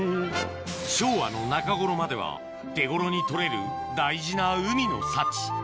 昭和の中頃までは手頃に採れる大事な海の幸